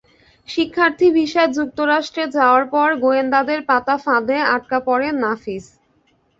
শিক্ষার্থী ভিসায় যুক্তরাষ্ট্রে যাওয়ার পর গোয়েন্দাদের পাতা ফাঁদে আটকা পড়েন নাফিস।